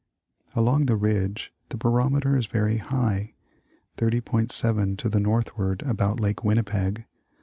Along the ridge the barometer is very high ; 30.7 to the northward about Lake Winnipeg, 30.